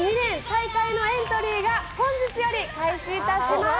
大会のエントリーが本日より開始いたします！